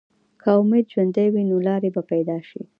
که امید ژوندی وي، نو لارې به پیدا شي.